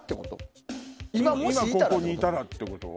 今ここにいたらってこと？